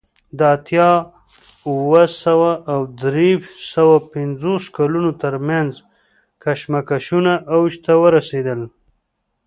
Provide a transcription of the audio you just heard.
د اتیا اوه سوه او درې سوه پنځلس کلونو ترمنځ کشمکشونه اوج ته ورسېدل